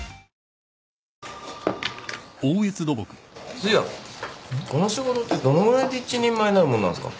そういやこの仕事ってどのぐらいで一人前になるもんなんすか？